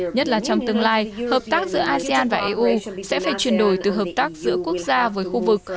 nhất là trong tương lai hợp tác giữa asean và eu sẽ phải chuyển đổi từ hợp tác giữa quốc gia với khu vực